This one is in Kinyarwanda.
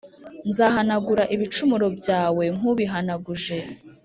Nzahanagura ibicumuro byawe nk ubihanaguje